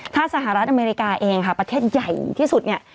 ถ้าสหรัฐอเมริกาเองค่ะประเทศใหญ่ที่สุดเนี่ย